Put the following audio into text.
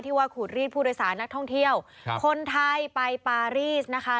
ว่าขูดรีดผู้โดยสารนักท่องเที่ยวครับคนไทยไปปารีสนะคะ